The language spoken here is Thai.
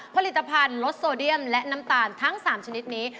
ผลิตภัณฑ์ลดโซเดียมและน้ำตาลทั้ง๓ชนิดนี้